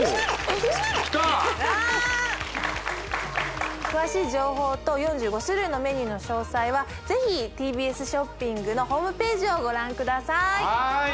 うわ詳しい情報と４５種類のメニューの詳細はぜひＴＢＳショッピングのホームページをご覧ください